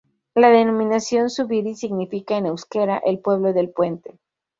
La denominación "Zubiri" significa en euskera "el pueblo del puente".